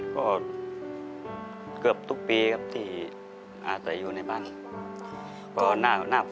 ก็เกือบทุกปีครับที่อาศัยอยู่ในบ้าน